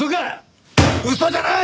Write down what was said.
嘘じゃない！